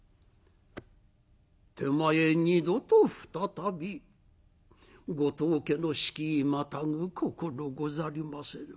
手前二度と再びご当家の敷居またぐ心ござりませぬ」。